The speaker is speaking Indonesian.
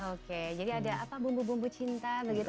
oke jadi ada apa bumbu bumbu cinta begitu